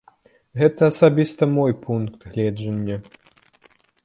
Гэта асабіста мой пункт гледжання.